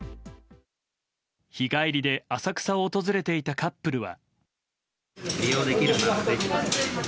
日帰りで浅草を訪れていたカップルは。